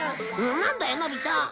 なんだよのび太！